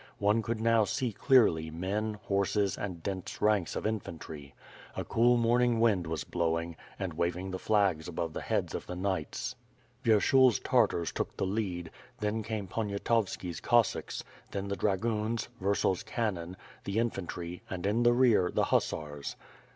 One could now see clearly men, horses and dense ranks of infantry. A cool morning wind was blowing, and waving the flags above the heads of the knights. Vyershul's Tartars took the lead, then came Poniatowski's Cossacks, then the dragoons, Vurtzel's cannon, the infantry, and, in the rear, the hussars.